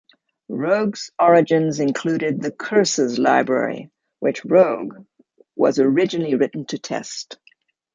Rogue's origins included the curses library, which Rogue was originally written to test.